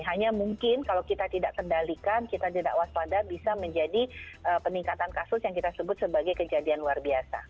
hanya mungkin kalau kita tidak kendalikan kita tidak waspada bisa menjadi peningkatan kasus yang kita sebut sebagai kejadian luar biasa